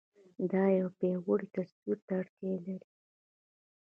دا يو پياوړي تصور ته اړتيا لري.